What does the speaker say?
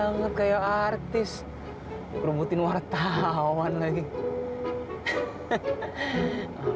sebenarnya keluarga saya